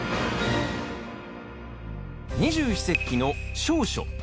二十四節気の小暑。